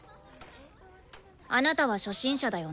あなたは初心者だよね。